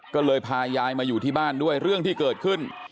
ก็เลยพายายมาอยู่ที่บ้านด้วยเรื่องที่เกิดขึ้น